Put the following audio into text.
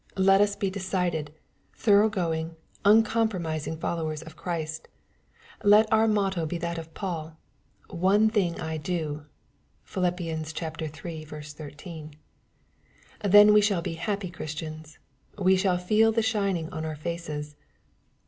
Let us be decided^ tborough* going, uncompromising followers of Cbrist. Let our motto be that of Paul, " One tbing I do." (PhiL iii. 13.) Tben we shall be happy Christians. We shall feel the sun shining on our faces.